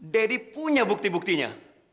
daddy punya bukti buktinya